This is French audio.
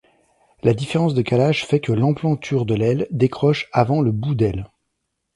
La différence de calage fait que l'emplanture de l'aile décroche avant le bout d'aile.